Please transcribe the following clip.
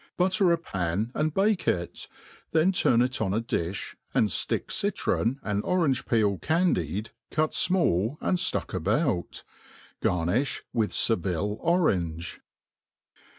Butter a pan, and bake it, then turn it on a di(h, and ftick citron and orange peel candied, cut fmall, and jftuck about it. GarniQi With Seville orange.